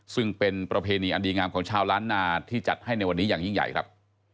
ซึ่งเป็นประเพณีอันดีงามของชาวล้านนาที่จัดให้ในวันนี้อย่างยิ่งใหญ่ครับ